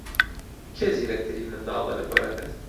کێ زیرەکترین منداڵە لە پۆلەکەت؟